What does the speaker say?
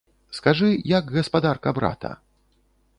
Скажы, як гаспадарка брата?